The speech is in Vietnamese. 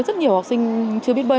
rất nhiều học sinh chưa biết bơi